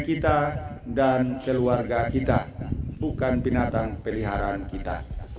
kita dan keluarga kita bukan binatang peliharaan kita